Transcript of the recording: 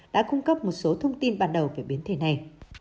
đã cung cấp một số thông tin ban đầu về biến thể này